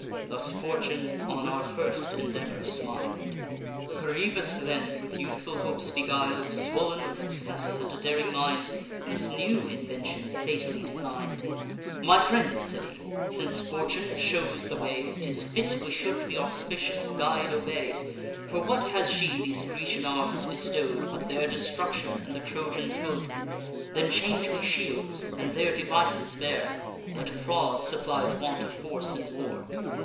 Thus Fortune on our first endeavor smil'd. Coroebus then, with youthful hopes beguil'd, Swoln with success, and a daring mind, This new invention fatally design'd. 'My friends,' said he, 'since Fortune shows the way, 'Tis fit we should th' auspicious guide obey. For what has she these Grecian arms bestow'd, But their destruction, and the Trojans' good? Then change we shields, and their devices bear: Let fraud supply the want of force in war.